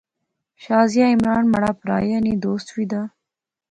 شازیہ عمران مہاڑا پرہا ایہہ نی دوست وی دا